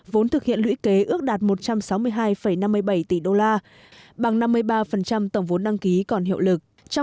vốn thực hiện lũy kế ước đạt một trăm sáu mươi hai năm mươi bảy tỷ đô la bằng năm mươi ba tổng vốn đăng ký còn hiệu lực